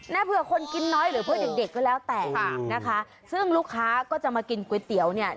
เผื่อคนกินน้อยหรือเพื่อเด็กเด็กก็แล้วแต่ค่ะนะคะซึ่งลูกค้าก็จะมากินก๋วยเตี๋ยวเนี่ย